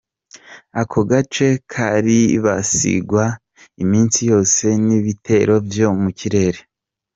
Ako gace karibasigwa iminsi yose n'ibitero vyo mu kirere.